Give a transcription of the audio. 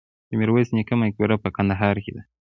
د میرویس نیکه مقبره په کندهار کې ده